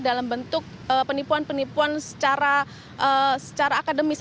dalam bentuk penipuan penipuan secara akademis